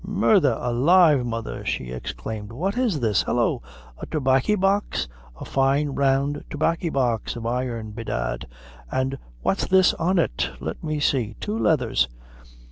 "Murdher alive, mother!" she exclaimed, "what is this? Hallo! a tobaccy box a fine round tobaccy box of iron, bedad an what's this on it! let me see; two letthers.